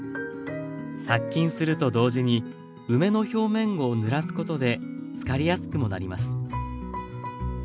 殺菌すると同時に梅の表面をぬらすことで漬かりやすくもなります。